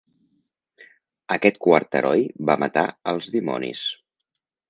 Aquest quart heroi va matar als dimonis.